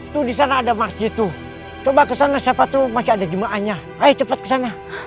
tuh di sana ada masjid tuh coba kesana siapa tuh masih ada jemaahnya ayo cepat kesana